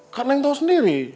kan neng tau sendiri